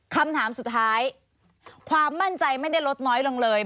คำถามสุดท้ายความมั่นใจไม่ได้ลดน้อยลงเลย